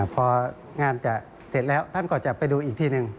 พองานจะเสร็จแล้วท่านก็จะไปดูอีกทีหนึ่ง